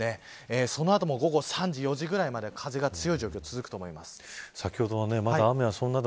その後も午後３時４時ぐらいまで風が強い状況が続くと思います。